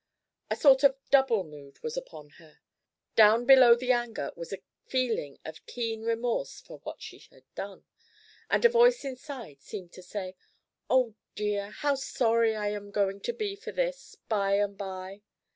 A sort of double mood was upon her. Down below the anger was a feeling of keen remorse for what she had done, and a voice inside seemed to say: "Oh dear, how sorry I am going to be for this by and by!"